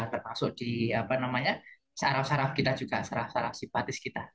termasuk di apa namanya saraf saraf kita juga saraf saraf simpatis kita